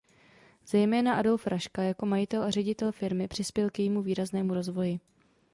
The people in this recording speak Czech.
Zejména Adolf Raška jako majitel a ředitel firmy přispěl k jejímu výraznému rozvoji.